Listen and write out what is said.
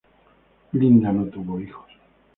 Linda no tuvo hijos.